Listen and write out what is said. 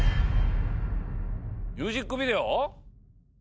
ミュージックビデオ？